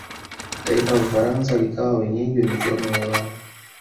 taifa la ufaransa likawa wenyeji wa michuano ya ulaya